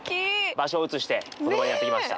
場所を移してこの場にやって来ました。